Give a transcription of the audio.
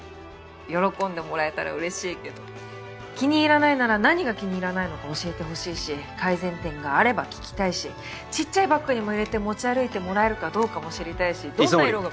喜んでもらえたらうれしいけど気に入らないなら何が気に入らないのか教えてほしいし改善点があれば聞きたいしちっちゃいバッグにも入れて持ち歩いてもらえるかどうかも知りたいしどんな色が。